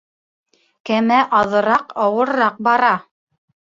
Кәмә аҙыраҡ ауырыраҡ бара